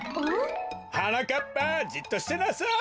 はなかっぱじっとしてなさい。